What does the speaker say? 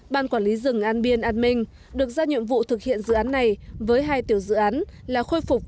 ban quản lý rừng an biên an minh được ra nhiệm vụ thực hiện dự án này với hai tiểu dự án là khôi phục